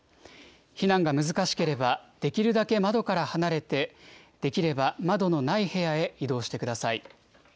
避難が難しければ、できるだけ窓から離れて、できれば窓のない部屋へ移動してください。